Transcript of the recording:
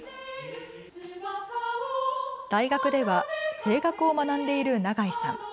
大学では声楽を学んでいる長井さん。